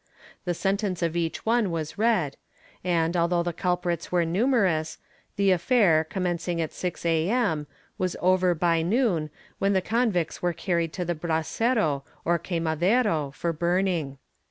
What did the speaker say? The sentence of each one was read and, although the culprits were numerous, the affair, commencing at 6 A.M., was over by noon, when the convicts were carried to the brasero or quemadero for burning.